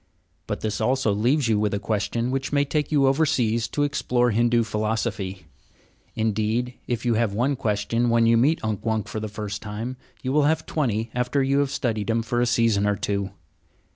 But this also leaves you with a question which may take you overseas to explore Hindu philosophy. Indeed, if you have one question when you meet Unk Wunk for the first time, you will have twenty after you have studied him for a season or two.